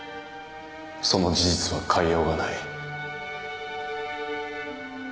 その事実は変えようがない。